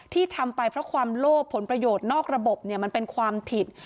ที่ทำไปเพราะความโลภผลประโยชน์นอกระบบมันเป็นความผิด